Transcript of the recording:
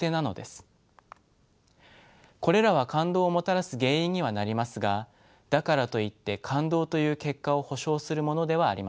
これらは感動をもたらす原因にはなりますがだからといって感動という結果を保証するものではありません。